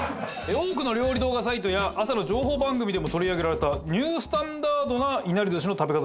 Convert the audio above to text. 多くの料理動画サイトや朝の情報番組でも取り上げられたニュースタンダードないなり寿司の食べ方です。